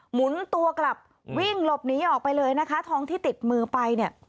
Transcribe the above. หมุนตัวกลับวิ่งหลบหนีออกไปเลยนะคะทองที่ติดมือไปเนี่ย